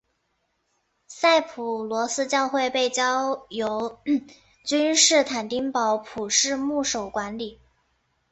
赛普勒斯教会被交由君士坦丁堡普世牧首管理。